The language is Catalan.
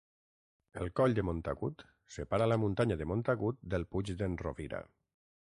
El coll de Montagut separa la muntanya de Montagut del Puig d'en Rovira.